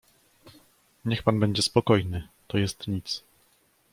"„Niech pan będzie spokojny, to jest nic."